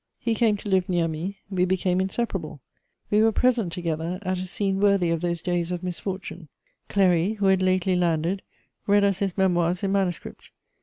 He came to live near me; we became inseparable. We were present together at a scene worthy of those days of misfortune: Cléry, who had lately landed, read us his Memoirs in manuscript.